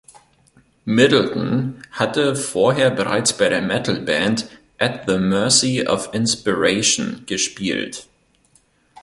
Middleton hatte vorher bereits bei der Metal-Band At the Mercy of Inspiration gespielt.